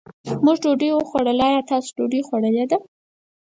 مونږ ډوډۍ وخوړله، ايا تاسو ډوډۍ خوړلې ده؟